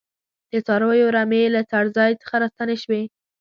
د څارویو رمې له څړځای څخه راستنې شوې.